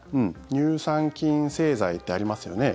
乳酸菌製剤ってありますよね。